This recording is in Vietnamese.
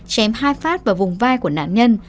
chém hai phát vào vùng vai của nạn nhân